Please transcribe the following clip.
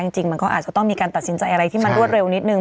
จริงมันก็อาจจะต้องมีการตัดสินใจอะไรที่มันรวดเร็วนิดนึง